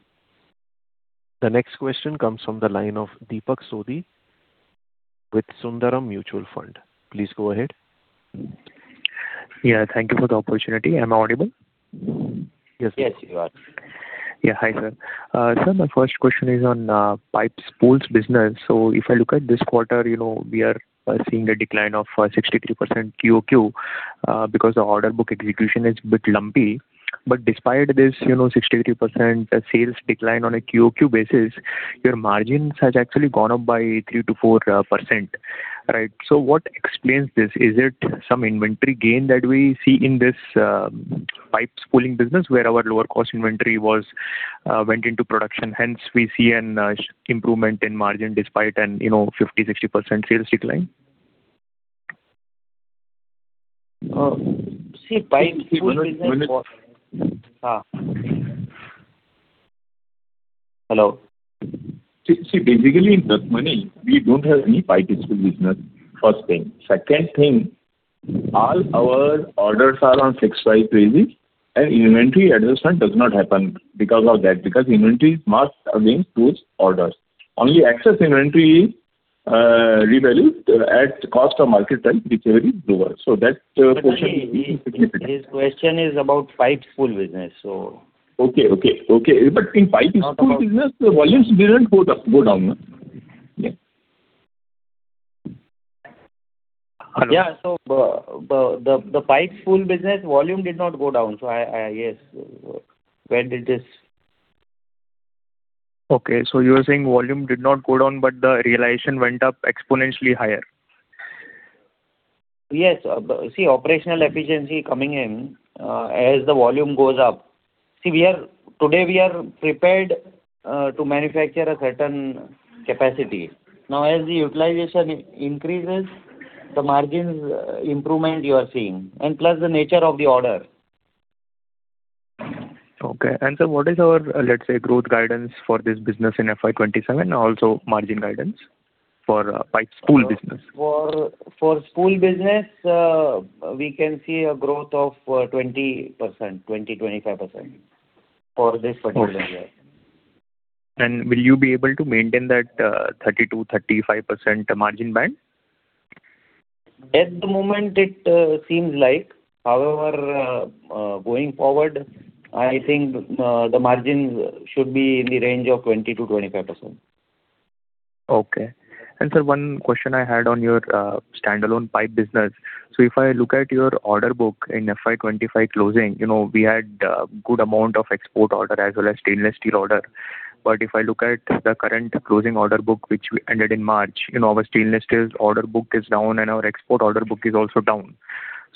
[SPEAKER 1] The next question comes from the line of Deepak Sodhi with Sundaram Mutual Fund. Please go ahead.
[SPEAKER 12] Yeah, thank you for the opportunity. Am I audible?
[SPEAKER 3] Yes, you are.
[SPEAKER 12] Hi, sir. My first question is on pipe spools business. If I look at this quarter, you know, we are seeing a decline of 63% QOQ because the order book execution is bit lumpy. Despite this, you know, 63% sales decline on a QoQ basis, your margins has actually gone up by 3%-4%. Right? What explains this? Is it some inventory gain that we see in this pipe spooling business where our lower cost inventory was went into production, hence we see an improvement in margin despite an, you know, 50%-60% sales decline?
[SPEAKER 3] See pipe spool business.
[SPEAKER 7] Vinod.
[SPEAKER 3] Ha. Hello.
[SPEAKER 7] See, basically in Ratnamani we don't have any pipe spool business, first thing. Second thing, all our orders are on fixed price basis, and inventory adjustment does not happen because of that, because inventory must align to its orders. Only excess inventory is revalued at cost of market price, which are very lower.
[SPEAKER 3] His question is about pipe spool business.
[SPEAKER 7] Okay. In pipe spool business the volumes didn't go down. Yeah. Hello?
[SPEAKER 3] Yeah. The pipe spool business volume did not go down, I Yes. Where did this?
[SPEAKER 12] Okay, you're saying volume did not go down, but the realization went up exponentially higher.
[SPEAKER 3] Yes. See operational efficiency coming in, as the volume goes up. See, Today we are prepared to manufacture a certain capacity. Now, as the utilization increases, the margins improvement you are seeing, and plus the nature of the order.
[SPEAKER 12] Okay. sir, what is our, let's say, growth guidance for this business in FY 2027, also margin guidance for pipe spool business?
[SPEAKER 3] For spool business, we can see a growth of 20%-25% for this particular year.
[SPEAKER 12] Okay. Will you be able to maintain that 30%-35% margin band?
[SPEAKER 3] At the moment it seems like. However, going forward, I think, the margins should be in the range of 20%-25%.
[SPEAKER 12] Okay. Sir, one question I had on your standalone pipe business. If I look at your order book in FY 2025 closing, you know, we had a good amount of export order as well as stainless steel order. If I look at the current closing order book which we ended in March, you know, our stainless steel order book is down and our export order book is also down.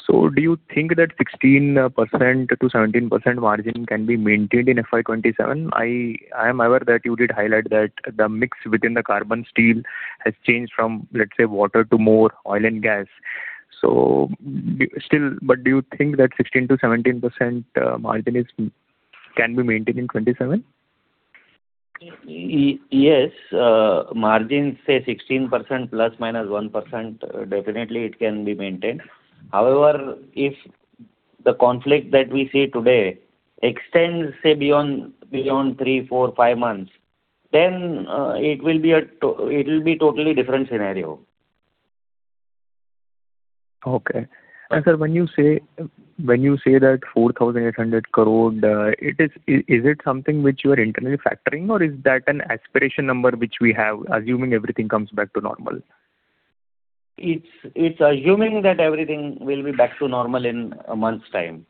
[SPEAKER 12] Do you think that 16%-17% margin can be maintained in FY 2027? I am aware that you did highlight that the mix within the carbon steel has changed from, let's say, water to more oil and gas. Still, but do you think that 16%-17% margin can be maintained in 2027?
[SPEAKER 3] Yes. Margin, say 16% ±1%, definitely it can be maintained. However, if the conflict that we see today extends, say, beyond three, four, five months, then it will be totally different scenario.
[SPEAKER 12] Okay. Sir, when you say that 4,800 crore, is it something which you are internally factoring or is that an aspiration number which we have assuming everything comes back to normal?
[SPEAKER 3] It's assuming that everything will be back to normal in a month's time.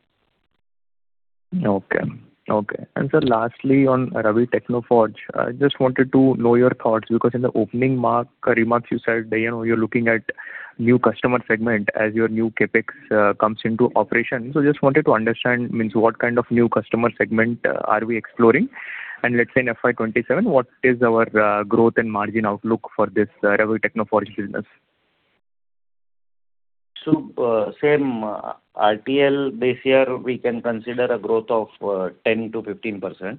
[SPEAKER 12] Okay. Okay. Sir, lastly, on Ravi Technoforge, I just wanted to know your thoughts because in the opening remarks you said that, you know, you're looking at new customer segment as your new CapEx comes into operation. Just wanted to understand, means, what kind of new customer segment are we exploring? Let's say in FY 2027, what is our growth and margin outlook for this Ravi Technoforge business?
[SPEAKER 3] Same RTL this year we can consider a growth of 10%-15%.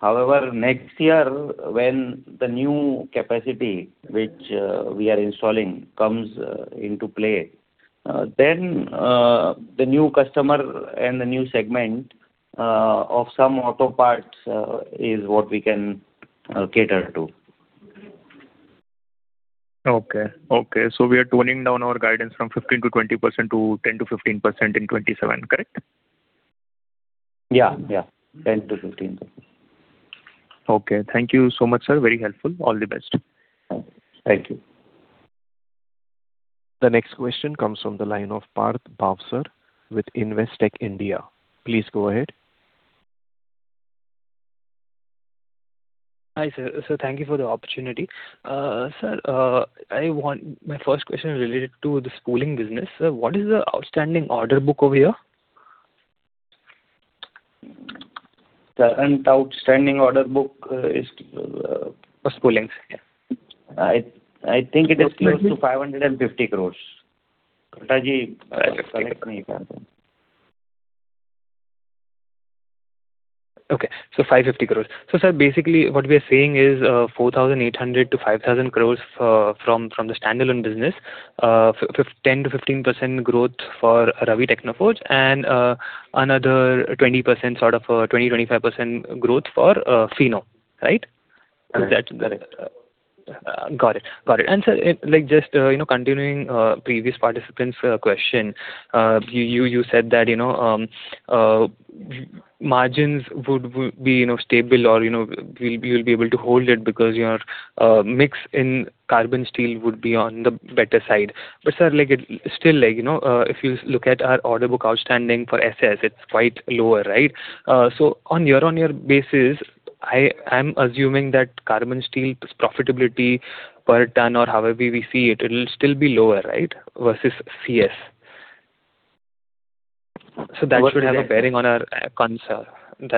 [SPEAKER 3] However, next year when the new capacity which we are installing comes into play, then the new customer and the new segment of some auto parts is what we can cater to.
[SPEAKER 12] Okay. Okay. We are toning down our guidance from 15%-20% to 10%-15% in 2027, correct?
[SPEAKER 3] Yeah, yeah. 10%-15%.
[SPEAKER 12] Okay. Thank you so much, sir. Very helpful. All the best.
[SPEAKER 3] Thank you.
[SPEAKER 1] The next question comes from the line of Parth Bhavsar with Investec India. Please go ahead.
[SPEAKER 13] Hi, sir. Thank you for the opportunity. Sir, my first question related to the spooling business. What is the outstanding order book over here?
[SPEAKER 3] Current outstanding order book.
[SPEAKER 13] For spooling, sir. Yeah.
[SPEAKER 3] I think it is close to 550 crores.
[SPEAKER 13] Okay. 550 crores. Sir, basically what we are saying is, 4,800 crores-5,000 crores from the standalone business. 10%-15% growth for Ravi Technoforge and another 20% sort of 20%-25% growth for Finow, right?
[SPEAKER 3] Correct.
[SPEAKER 13] Got it. Got it. Sir, like just, you know, continuing previous participant's question. You said that, you know, margins would be, you know, stable or, you know, you'll be able to hold it because your mix in carbon steel would be on the better side. Sir, like it still, like, you know, if you look at our order book outstanding for SS, it's quite lower, right? On year-on-year basis, I'm assuming that carbon steel profitability per ton or however we see it'll still be lower, right? Versus CS. That should have a bearing on our
[SPEAKER 3] What do you mean?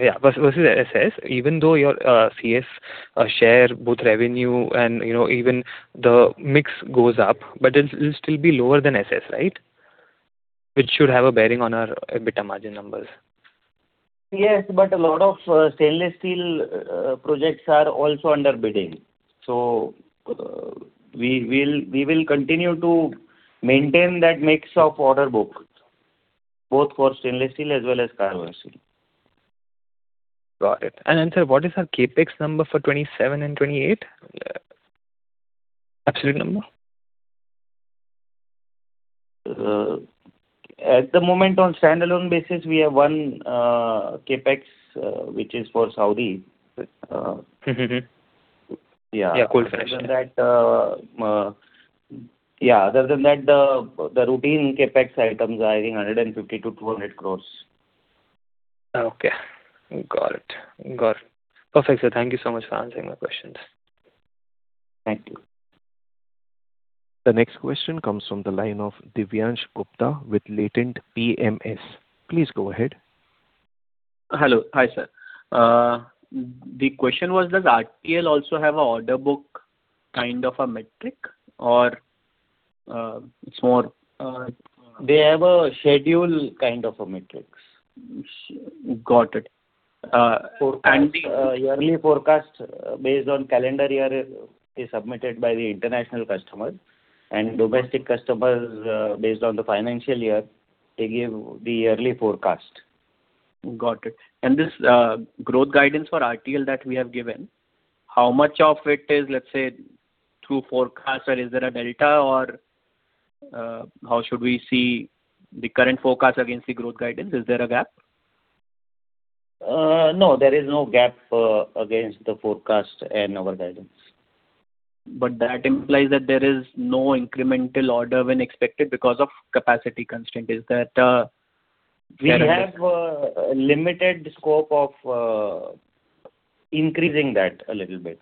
[SPEAKER 13] Yeah, versus SS. Even though your CS share both revenue and, you know, even the mix goes up, but it'll still be lower than SS, right? Which should have a bearing on our EBITDA margin numbers.
[SPEAKER 3] Yes. A lot of stainless steel projects are also under bidding. We will continue to maintain that mix of order book, both for stainless steel as well as carbon steel.
[SPEAKER 13] Got it. then sir, what is our CapEx number for 27 and 28? Absolute number.
[SPEAKER 3] At the moment on standalone basis, we have 1 CapEx, which is for Saudi. Yeah.
[SPEAKER 13] Yeah, cool.
[SPEAKER 3] Other than that, the routine CapEx items are I think 150- 200 crores.
[SPEAKER 13] Okay. Got it. Perfect, sir. Thank you so much for answering my questions.
[SPEAKER 3] Thank you.
[SPEAKER 1] The next question comes from the line of Divyansh Gupta with Latent Advisors. Please go ahead.
[SPEAKER 6] Hello. Hi, sir. The question was, does RTL also have a order book kind of a metric or, it's more.
[SPEAKER 3] They have a schedule kind of a metrics.
[SPEAKER 6] Got it.
[SPEAKER 3] Forecast. Yearly forecast based on calendar year is submitted by the international customer and domestic customers, based on the financial year they give the yearly forecast.
[SPEAKER 6] Got it. This, growth guidance for RTL that we have given, how much of it is, let's say, through forecast or is there a delta or, how should we see the current forecast against the growth guidance? Is there a gap?
[SPEAKER 3] no, there is no gap against the forecast and our guidance.
[SPEAKER 6] That implies that there is no incremental order when expected because of capacity constraint. Is that?
[SPEAKER 3] We have limited scope of increasing that a little bit.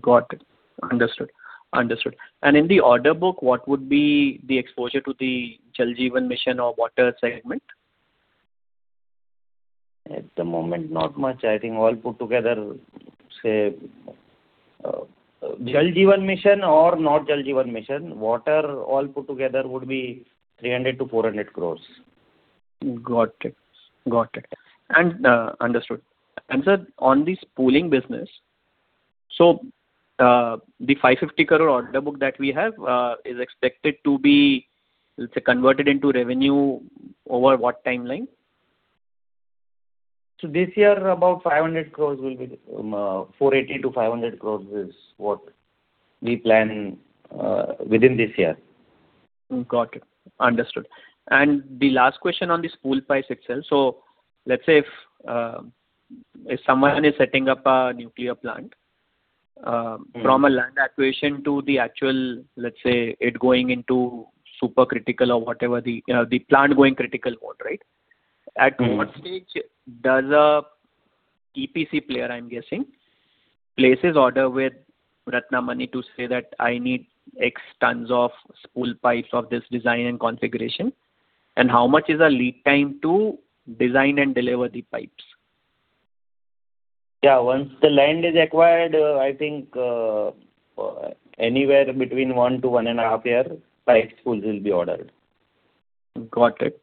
[SPEAKER 6] Got it. Understood. Understood. In the order book, what would be the exposure to the Jal Jeevan Mission or water segment?
[SPEAKER 3] At the moment, not much. I think all put together, say, Jal Jeevan Mission or not Jal Jeevan Mission, water all put together would be 300-400 crores.
[SPEAKER 6] Got it. Got it. Understood. Sir, on the spooling business, the 550 crore order book that we have is expected to be, let's say, converted into revenue over what timeline?
[SPEAKER 3] This year, 480 crore-500 crore is what we plan within this year.
[SPEAKER 6] Got it. Understood. The last question on the spool pipes itself. Let's say if someone is setting up a nuclear plant, from a land acquisition to the actual, let's say, it going into supercritical or whatever the, you know, the plant going critical mode, right? At what stage does a EPC player, I'm guessing, places order with Ratnamani to say that I need X tons of spool pipes of this design and configuration? How much is a lead time to design and deliver the pipes?
[SPEAKER 3] Once the land is acquired, I think, anywhere between 1 to one and a half year pipe spools will be ordered.
[SPEAKER 6] Got it.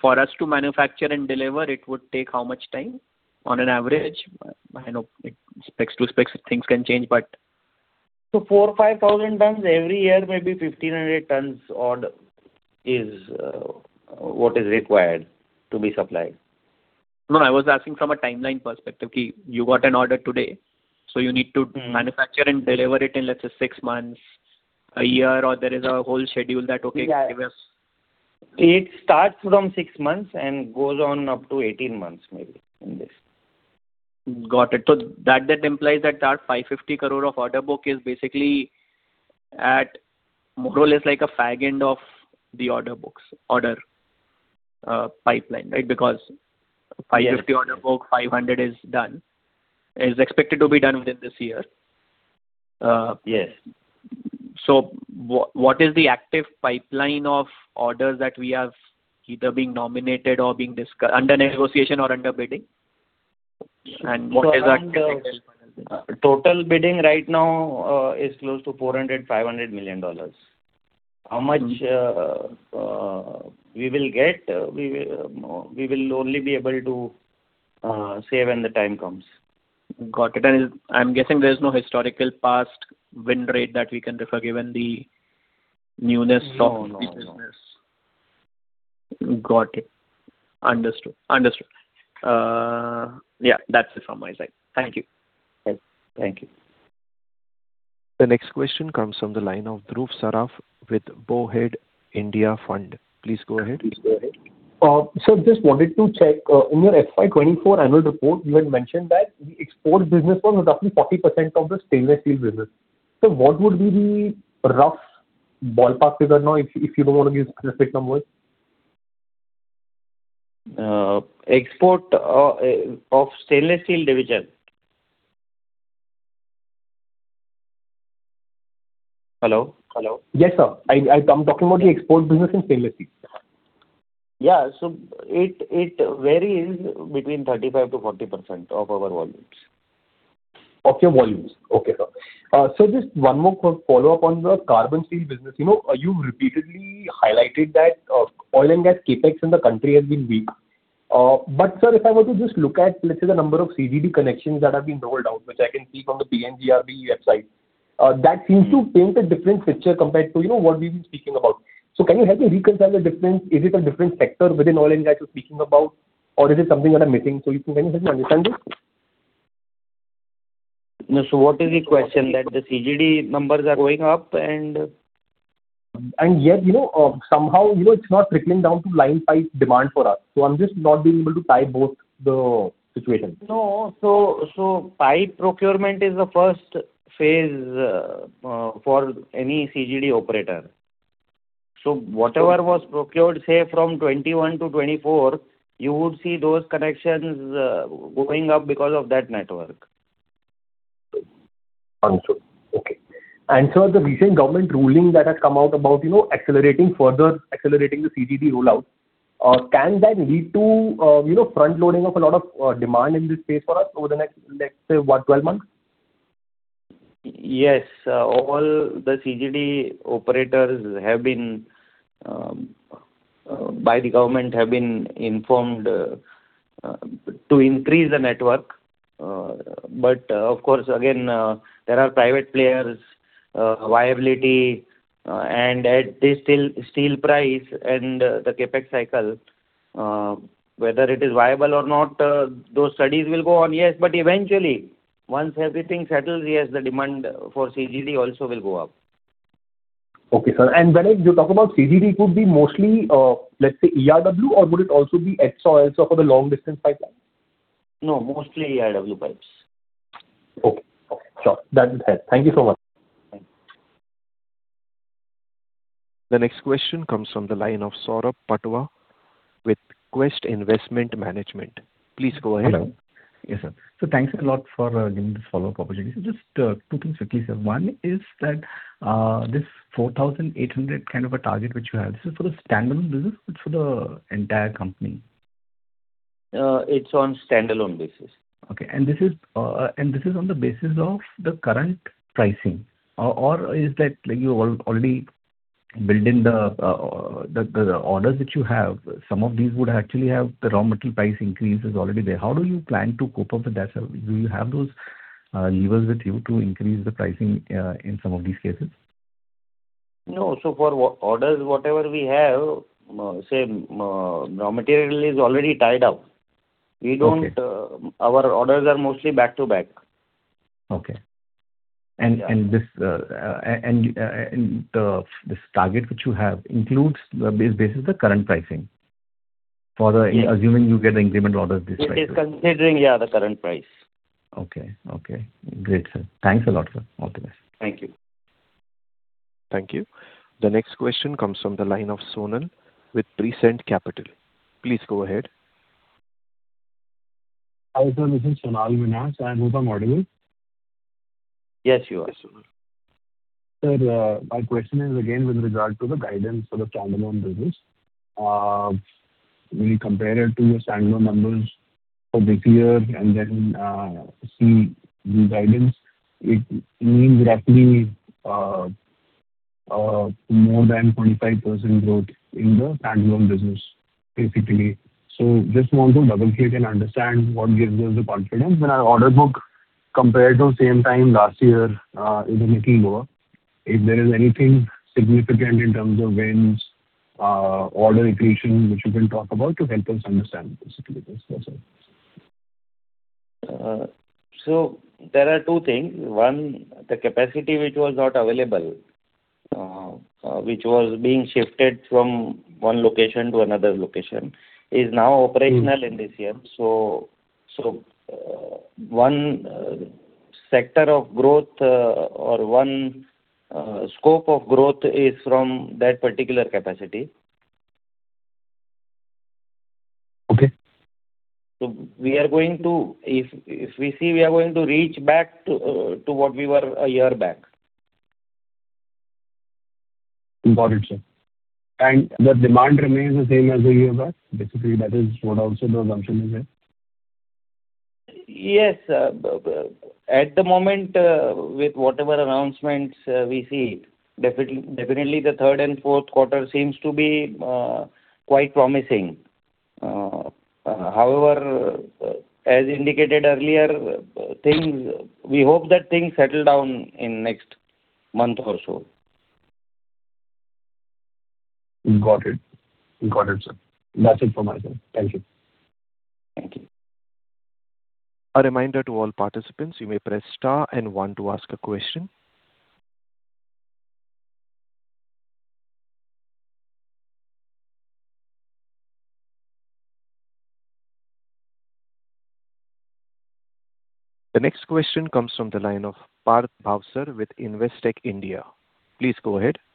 [SPEAKER 6] For us to manufacture and deliver, it would take how much time on an average? I know specs to specs things can change.
[SPEAKER 3] 4,000-5,000 tons every year, maybe 1,500 tons odd is what is required to be supplied.
[SPEAKER 6] No, I was asking from a timeline perspective. You got an order today, so you need to manufacture and deliver it in, let's say, six months, one year, or there is a whole schedule that, okay, give us?
[SPEAKER 3] Yeah. It starts from six months and goes on up to 18 months maybe in this.
[SPEAKER 6] Got it. That implies that 550 crore of order book is basically at more or less like a fag end of the order book pipeline, right? 550 order book, 500 is expected to be done within this year.
[SPEAKER 3] Yes.
[SPEAKER 6] What is the active pipeline of orders that we have either being nominated or being discussed, under negotiation or under bidding? What is the.
[SPEAKER 3] Total bidding right now, is close to $400 million-$500 million. How much, we will get, we will only be able to say when the time comes.
[SPEAKER 6] Got it. I'm guessing there's no historical past win rate that we can refer given the newness of this business.
[SPEAKER 3] No, no.
[SPEAKER 6] Got it. Understood. Understood. Yeah, that's it from my side. Thank you.
[SPEAKER 3] Thank you.
[SPEAKER 1] The next question comes from the line of Dhruv Saraf with Bowhead India Fund. Please go ahead.
[SPEAKER 3] Please go ahead.
[SPEAKER 11] Just wanted to check, in your FY 2024 annual report, you had mentioned that the export business was roughly 40% of the stainless steel business. What would be the rough ballpark figure now if you don't wanna give specific numbers?
[SPEAKER 3] Export of stainless steel division. Hello? Hello?
[SPEAKER 11] Yes, sir. I'm talking about the export business in stainless steel.
[SPEAKER 3] Yeah. It varies between 35%-40% of our volumes.
[SPEAKER 11] Of your volumes. Okay, sir. Just one more quick follow-up on the carbon steel business. You know, you've repeatedly highlighted that oil and gas CapEx in the country has been weak. Sir, if I were to just look at, let's say the number of CGD connections that have been rolled out, which I can see from the PNGRB website, that seems to paint a different picture compared to, you know, what we've been speaking about. Can you help me reconcile the difference? Is it a different sector within oil and gas you're speaking about, or is it something that I'm missing? Can you help me understand this?
[SPEAKER 3] What is the question? That the CGD numbers are going up and.
[SPEAKER 11] Yet, you know, somehow, you know, it's not trickling down to line pipe demand for us. I'm just not being able to tie both the situations.
[SPEAKER 3] No. Pipe procurement is the first phase for any CGD operator. Whatever was procured, say from 21 to 24, you would see those connections going up because of that network.
[SPEAKER 11] Understood. Okay. The recent government ruling that has come out about, you know, accelerating further, accelerating the CGD rollout, can that lead to, you know, frontloading of a lot of demand in this space for us over the next, say what, 12 months?
[SPEAKER 3] Yes. All the CGD operators have been by the government have been informed to increase the network. Of course, again, there are private players, viability, and at this steel price and the CapEx cycle, whether it is viable or not, those studies will go on. Yes, but eventually, once everything settles, yes, the demand for CGD also will go up.
[SPEAKER 11] Okay, sir. When you talk about CGD, it could be mostly, let's say ERW or would it also be X or also for the long distance pipeline?
[SPEAKER 3] No, mostly ERW pipes.
[SPEAKER 11] Okay. Okay, sure. That would help. Thank you so much.
[SPEAKER 3] Thank you.
[SPEAKER 1] The next question comes from the line of Saurabh Patwa with Quest Investment Management. Please go ahead.
[SPEAKER 3] Hello.
[SPEAKER 10] Yes, sir. Thanks a lot for giving this follow-up opportunity. Just two things quickly, sir. One is that, this 4,800 kind of a target which you have, this is for the standalone business or it is for the entire company?
[SPEAKER 3] It's on standalone basis.
[SPEAKER 10] Okay. This is on the basis of the current pricing or is that like you already built in the orders that you have, some of these would actually have the raw material price increase is already there? How do you plan to cope up with that, sir? Do you have those levers with you to increase the pricing in some of these cases?
[SPEAKER 3] No. For orders, whatever we have, say, raw material is already tied up.
[SPEAKER 10] Okay.
[SPEAKER 3] We don't. Our orders are mostly back-to-back.
[SPEAKER 10] Okay. Yeah. This target which you have includes the base. This is the current pricing for the. Yes assuming you get the increment orders this quarter.
[SPEAKER 3] It is considering, yeah, the current price.
[SPEAKER 10] Okay. Okay. Great, sir. Thanks a lot, sir. All the best.
[SPEAKER 3] Thank you.
[SPEAKER 1] Thank you. The next question comes from the line of Sonal Minhas with Prescient Capital. Please go ahead.
[SPEAKER 14] Hi, sir. This is Sonal Minhas. I hope I'm audible.
[SPEAKER 3] Yes, you are, sir.
[SPEAKER 14] Sir, my question is again with regard to the guidance for the standalone business. When you compare it to your standalone numbers for this year and then, see the guidance, it means roughly more than 25% growth in the standalone business, basically. Just want to double-check and understand what gives you the confidence when our order book compared to same time last year, is a little lower. If there is anything significant in terms of wins, order increase which you can talk about to help us understand the situation, that's all.
[SPEAKER 3] There are two things. One, the capacity which was not available, which was being shifted from one location to another location is now operational in this year. One sector of growth, or one scope of growth is from that particular capacity.
[SPEAKER 14] Okay.
[SPEAKER 3] We are going to reach back to what we were a year back.
[SPEAKER 14] Got it, sir. The demand remains the same as a year back. Basically, that is what also the assumption is, yeah?
[SPEAKER 3] Yes. At the moment, with whatever announcements we see, definitely the third and fourth quarter seems to be quite promising. However, as indicated earlier, we hope that things settle down in next month or so.
[SPEAKER 14] Got it. Got it, sir. That's it from my side. Thank you.
[SPEAKER 3] Thank you.
[SPEAKER 1] A reminder to all participants, you may press star one to ask a question. The next question comes from the line of Parth Bhavsar with Investec India. Please go ahead.
[SPEAKER 13] Hi, sir.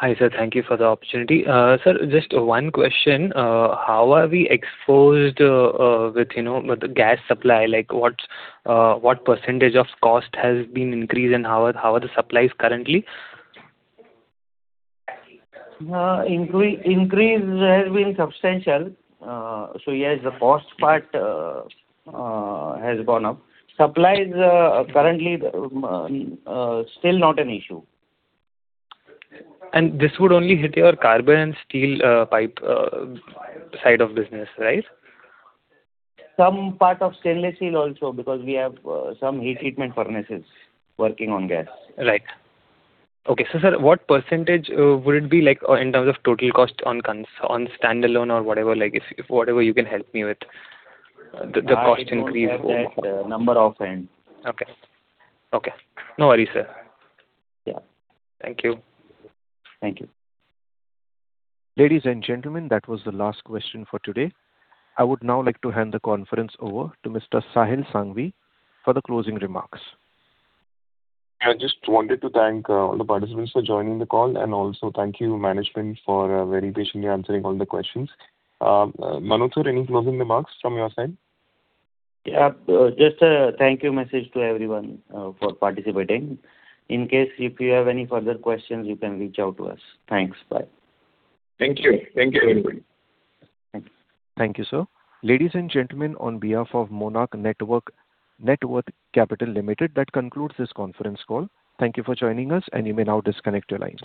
[SPEAKER 13] Thank you for the opportunity. Sir, just one question. How are we exposed, with, you know, with the gas supply? Like, what percentage of cost has been increased, and how are the supplies currently?
[SPEAKER 3] Increase has been substantial. Yes, the cost part has gone up. Supply is currently still not an issue.
[SPEAKER 13] This would only hit your carbon steel, pipe, side of business, right?
[SPEAKER 3] Some part of stainless steel also because we have some heat treatment furnaces working on gas.
[SPEAKER 13] Right. Okay. Sir, what percentage would it be like in terms of total cost on on standalone or whatever, like if whatever you can help me with the cost increase?
[SPEAKER 3] I don't have that number offhand.
[SPEAKER 13] Okay. Okay. No worries, sir.
[SPEAKER 3] Yeah.
[SPEAKER 13] Thank you.
[SPEAKER 3] Thank you.
[SPEAKER 1] Ladies and gentlemen, that was the last question for today. I would now like to hand the conference over to Mr. Sahil Sanghvi for the closing remarks.
[SPEAKER 2] I just wanted to thank all the participants for joining the call and also thank you management for very patiently answering all the questions. Manoj Sanghvi sir, any closing remarks from your side?
[SPEAKER 3] Yeah. Just a thank you message to everyone for participating. In case if you have any further questions, you can reach out to us. Thanks. Bye.
[SPEAKER 2] Thank you. Thank you, everybody.
[SPEAKER 3] Thank you.
[SPEAKER 1] Thank you, sir. Ladies and gentlemen, on behalf of Monarch Networth Capital Limited, that concludes this conference call. Thank you for joining us, and you may now disconnect your lines.